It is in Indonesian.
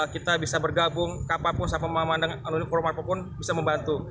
kita bisa bergabung kapal pun sama pemanah anonim korban apapun bisa membantu